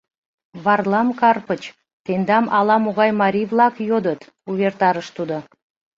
— Варлам Карпыч, тендам ала-могай марий-влак йодыт, — увертарыш тудо.